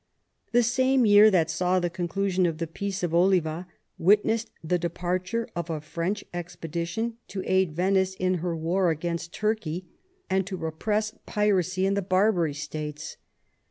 The same year that saw the conclusion of the Peace of Oliva witnessed the departure of a French expedition to aid Venice in her war against Turkey, and to repress piracy in the Barbary States.